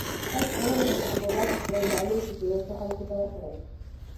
تاسو کولای شئ چې حبوبات په خپلو ډالیو کې بېوزلو خلکو ته ورکړئ.